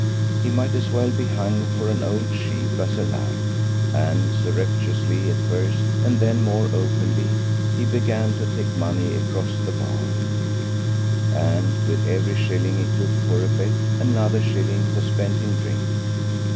He might as well be hung for an old sheep as a lamb, and surreptitiously at first, and then more openly, he began to take money across the bar, and with every shilling he took for a bet another shilling was spent in drink.